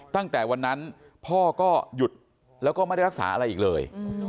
ตั้งแต่วันนั้นพ่อก็หยุดแล้วก็ไม่ได้รักษาอะไรอีกเลย